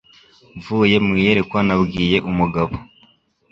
Mvuye mu iyerekwa nabwiye umugabo